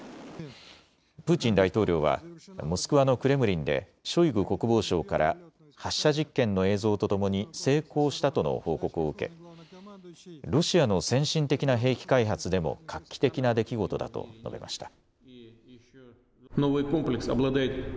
プーチン大統領はモスクワのクレムリンでショイグ国防相から発射実験の映像とともに成功したとの報告を受け、ロシアの先進的な兵器開発でも画期的な出来事だと述べました。